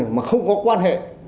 nhưng mà không có quan hệ